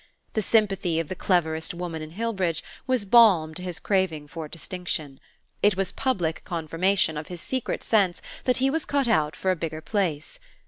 The sympathy of the cleverest woman in Hillbridge was balm to his craving for distinction: it was public confirmation of his secret sense that he was cut out for a bigger place.